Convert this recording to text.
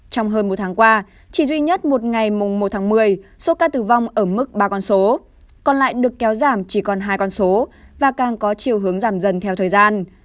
trong hơn một tháng qua chỉ duy nhất một ngày mùng một tháng một mươi số ca tử vong ở mức ba con số còn lại được kéo giảm chỉ còn hai con số và càng có chiều hướng giảm dần theo thời gian